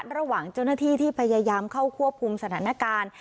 ระหว่างเจ้าหน้าที่ที่พยายามเข้าควบคุมสถานการณ์